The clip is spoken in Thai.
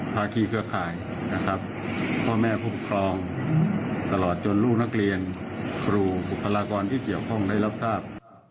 ภาคีเครือข่ายนะครับพ่อแม่ผู้ปกครองตลอดจนลูกนักเรียนครูบุคลากรที่เกี่ยวข้องได้รับทราบ